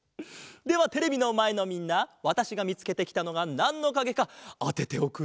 ではテレビのまえのみんなわたしがみつけてきたのがなんのかげかあてておくれ。